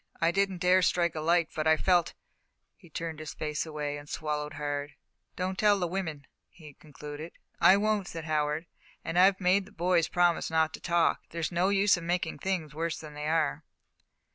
I didn't dare strike a light, but I felt " He turned his face away and swallowed hard. "Don't tell the women," he concluded. "I won't," said Howard, "and I've made the boys promise not to talk. There's no use of making things worse than they are."